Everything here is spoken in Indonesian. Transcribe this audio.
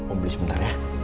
om beli sebentar ya